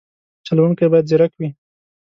چلوونکی باید ځیرک وي.